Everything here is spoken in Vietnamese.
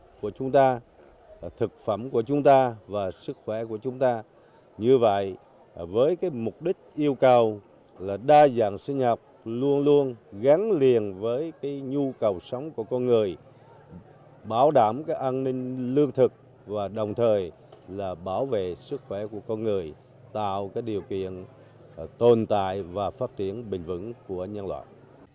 thực phẩm của chúng ta thực phẩm của chúng ta và sức khỏe của chúng ta như vậy với cái mục đích yêu cầu là đa dạng sinh học luôn luôn gắn liền với cái nhu cầu sống của con người bảo đảm cái an ninh lương thực và đồng thời là bảo vệ sức khỏe của con người tạo cái điều kiện tồn tại và phát triển bình vững của nhân loại